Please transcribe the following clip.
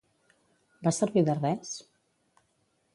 Va servir de res?